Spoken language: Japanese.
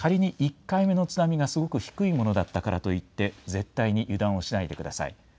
また仮に１回目の津波がすごく低いものだったからといって絶対に油断をしないでください。